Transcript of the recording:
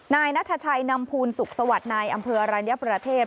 นายนัทชัยนำภูลสุขสวัสดิ์นายอำเภออรัญญประเทศ